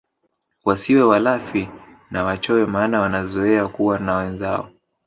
Wasiwe walafi na wachoyo maana wanazoea kuwa na wenzao